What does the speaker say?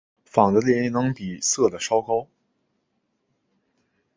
钫的电离能比铯稍高。